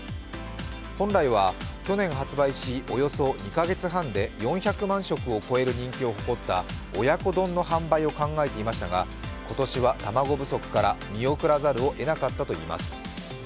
本来は去年発売しおよそ２か月半で４００万色を超える人気を誇った親子丼の販売を考えていましたが、今年は卵不足から見送らざるをえなかったといいます。